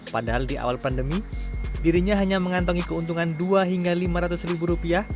padahal di awal pandemi dirinya hanya mengantongi keuntungan dua hingga lima ratus ribu rupiah